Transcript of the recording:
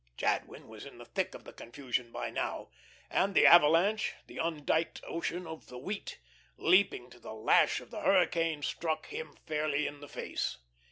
Jadwin was in the thick of the confusion by now. And the avalanche, the undiked Ocean of the Wheat, leaping to the lash of the hurricane, struck him fairly in the face.